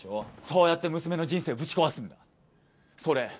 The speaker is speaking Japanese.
そうやって娘の人生ぶち壊すんだそれ